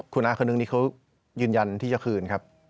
คุณอารมนต์คณึงนิดเขายืนยันที่จะคืนครับ